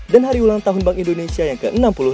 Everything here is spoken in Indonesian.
dan hari ulang tahun bank indonesia yang ke enam puluh lima